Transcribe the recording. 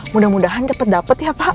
belum dapet pak